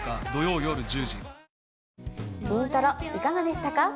『イントロ』いかがでしたか？